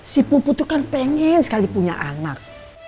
si pupu tuh kan pengen sekali punya anak